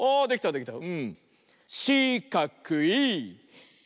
できたね。